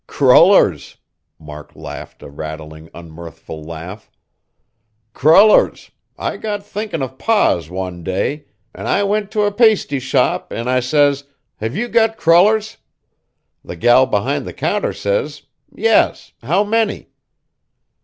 "Crullers!" Mark laughed a rattling, unmirthful laugh. "Crullers. I got thinkin' of Pa's one day; an' I went to a pasty shop an' I says, 'Have you got crullers?' The gal behind the counter says, 'Yes: how many?'